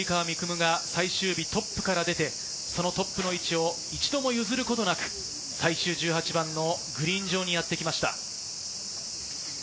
夢が最終日トップから出て、そのトップの位置を一度も譲ることなく、最終１８番のグリーン上にやってきました。